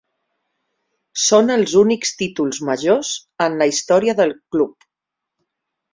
Són els únics títols majors en la història del club.